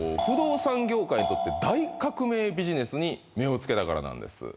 不動産業界にとって大革命ビジネスに目をつけたからなんです